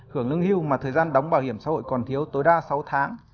hưởng lương hưu mà thời gian đóng bảo hiểm xã hội còn thiếu tối đa sáu tháng